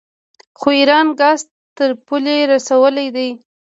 خو ایران ګاز تر پولې رسولی دی.